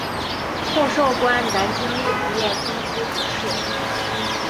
后授官南京吏部验封司主事。